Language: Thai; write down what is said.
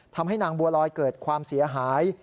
ทำให้นางบัวลอยเกิดความเสียหาย